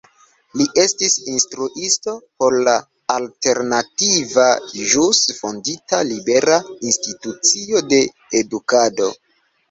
Li estis instruisto por la alternativa ĵus fondita Libera Institucio de Edukado.